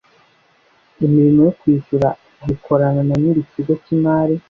imirimo yo kwishyura gikorana na nyiri kigo k’imari